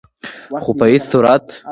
خو په هيڅ صورت